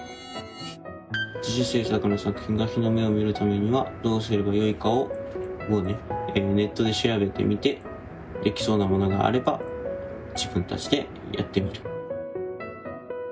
自主制作の作品が日の目を見るためにはどうすればよいかをネットで調べてみてできそうなものがあれば自分たちでやってみる。